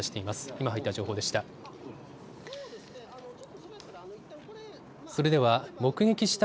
今入った情報でした。